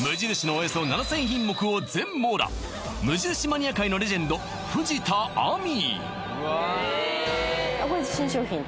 およそ７０００品目を全網羅無印マニア界のレジェンド藤田あみいあっ